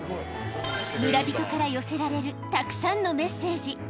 村人から寄せられるたくさんのメッセージ。